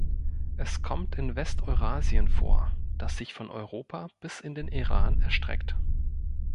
Es kommt in West-Eurasien vor, das sich von Europa bis in den Iran erstreckt.